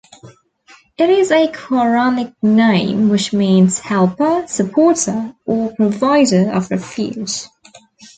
It is a Quranic name which means: helper, supporter, or provider of refuge.